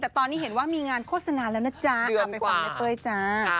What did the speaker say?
แต่ตอนนี้เห็นว่ามีงานโฆษณาแล้วนะจ๊ะเอาไปฟังแม่เป้ยจ้า